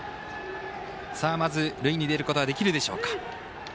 まず、塁に出ることはできるでしょうか。